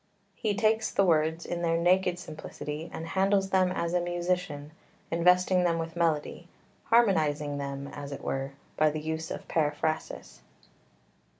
He takes the words in their naked simplicity and handles them as a musician, investing them with melody, harmonising them, as it were, by the use of periphrasis.